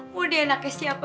mau dia anaknya siapa kek